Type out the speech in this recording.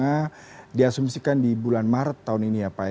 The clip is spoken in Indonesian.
karena diasumsikan di bulan maret tahun ini ya pak